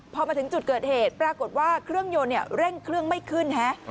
พอมาถึงจุดเกิดเหตุปรากฏว่าเครื่องยนต์เร่งเครื่องไม่ขึ้นฮะ